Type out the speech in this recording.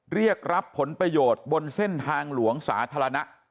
เรียกรับผลประโยชน์บนเส้นทางหลวงสาธารณะ